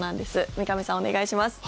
三上さん、お願いします。